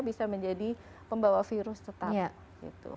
bisa menjadi pembawa virus tetap gitu